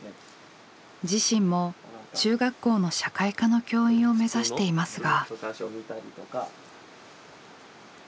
自身も中学校の社会科の教員を目指していますが。